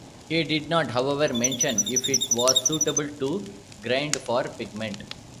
He did not, however, mention if it was suitable to grind for a pigment.